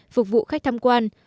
phục vụ khách tham quan